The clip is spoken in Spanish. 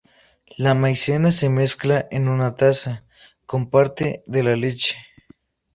La maicena se mezcla en una taza con parte de la leche.